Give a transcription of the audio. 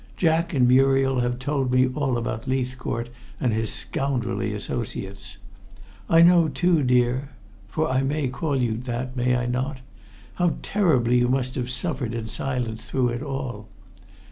Jack and Muriel have told me all about Leithcourt and his scoundrelly associates. I know, too, dear for I may call you that, may I not? how terribly you must have suffered in silence through it all.